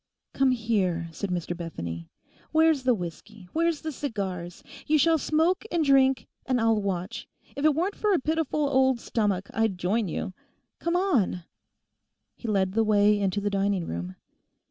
'Come here,' said Mr Bethany. 'Where's the whiskey, where's the cigars? You shall smoke and drink, and I'll watch. If it weren't for a pitiful old stomach, I'd join you. Come on!' He led the way into the dining room.